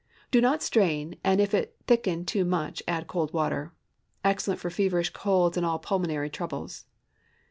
Do not strain, and if it thicken too much, add cold water. Excellent for feverish colds and all pulmonary troubles.